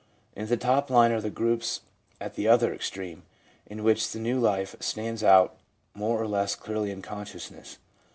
In the top line are the groups at the other extreme, in which the new life stands out more or less clearly in consciousness.